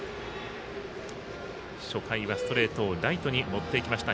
初回はストレートをライトに持っていきました。